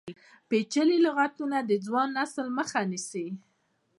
پیچلي لغتونه د ځوان نسل مخه نیسي.